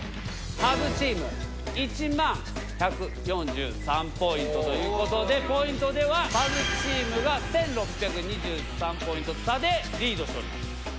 パズチーム１０，１４３ポイントということでポイントではパズチームが１，６２３ポイント差でリードしております。